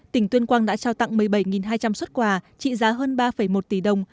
tỉnh tuyên quang đã trao tặng một mươi bảy hai trăm linh xuất quà trị giá hơn ba một tỷ đồng